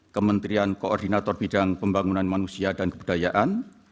kementerian koordinator bidang pembangunan manusia dan kebudayaan